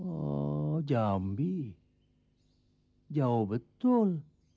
oh jambi jauh betul